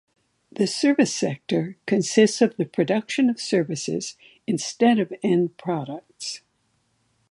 The service sector consists of the production of services instead of end products.